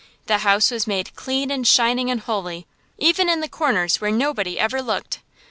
The house was made clean and shining and holy, even in the corners where nobody ever looked.